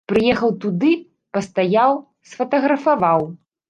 Прыехаў туды, пастаяў, сфатаграфаваў!